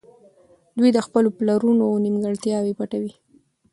دوی د خپلو پلرونو نيمګړتياوې پټوي.